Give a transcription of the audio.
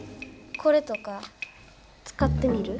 これとかつかってみる？